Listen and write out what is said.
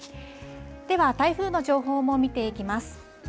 では台風の情報も見ていきます。